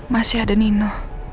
masih ada nino